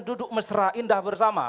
duduk mesra indah bersama